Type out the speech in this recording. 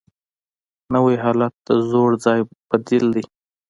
نوی حالت د زوړ ځای بدیل دی